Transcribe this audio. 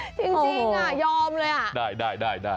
จริงยอมเลยอ่ะโอ้โหได้